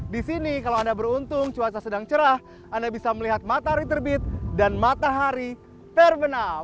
di sini kalau anda beruntung cuaca sedang cerah anda bisa melihat matahari terbit dan matahari terbenam